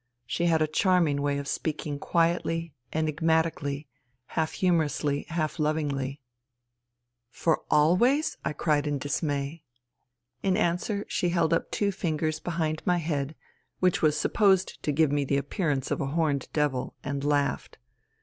She had a charming way of speaking quietly, enigmatically, half humorously, half lovingly. 22 FUTILITY " For always ?" I cried in dismay. In answer she held up two fingers behind my head which was supposed to give me the appear ance of a horned devil, and laughed.